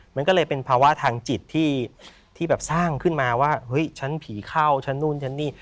มันก็เลยเป็นภาวะทางจิตที่แบบสร้างขึ้นมาว่าเฮ้ยฉันผีเข้าฉันนู่นฉันนี่